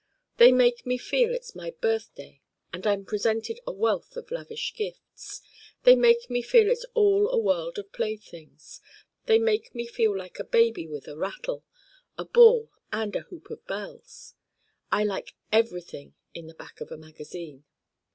They make me feel it's my birthday and I'm presented a wealth of lavish gifts. They make me feel it's all a world of playthings. They make me feel like a baby with a rattle, a ball and a hoop of bells. I like everything in the Back of a magazine.